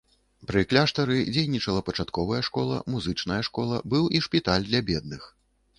Пры кляштары дзейнічала пачатковая школа, музычная школа, быў і шпіталь для бедных.